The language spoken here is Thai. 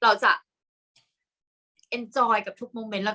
กากตัวทำอะไรบ้างอยู่ตรงนี้คนเดียว